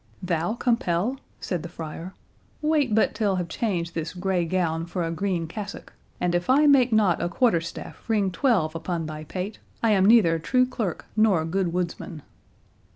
"Thou compel!" said the friar; "wait but till have changed this grey gown for a green cassock, and if I make not a quarter staff ring twelve upon thy pate, I am neither true clerk nor good woodsman."